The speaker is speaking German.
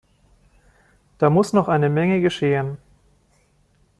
Da muss noch eine Menge geschehen.